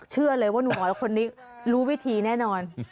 เชื่อเลยว่าหนูน้อยคนนี้รู้วิธีแน่นอน